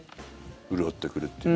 潤ってくるっていうね。